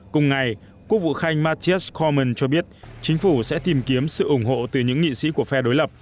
cùng ngày quốc vụ khanh mattis colmen cho biết chính phủ sẽ tìm kiếm sự ủng hộ từ những nghị sĩ của phe đối lập